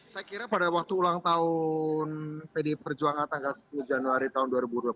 saya kira pada waktu ulang tahun pdi perjuangan tanggal sepuluh januari tahun dua ribu dua puluh tiga